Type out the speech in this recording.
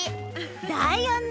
だよね。